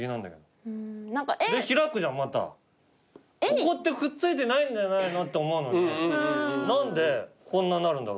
ここってくっついてないんじゃないの？って思うのに何でこんななるんだろ？